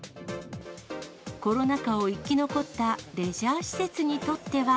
コロナ禍を生き残ったレジャー施設にとっては。